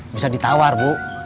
bisa ditawar bu